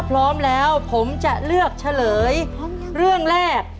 เรื่องแรก